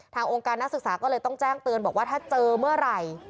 องค์การนักศึกษาก็เลยต้องแจ้งเตือนบอกว่าถ้าเจอเมื่อไหร่